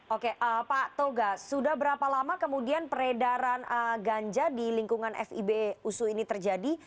oke pak toga sudah berapa lama kemudian peredaran ganja di lingkungan fib usu ini terjadi